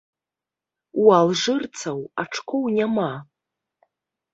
У алжырцаў ачкоў няма.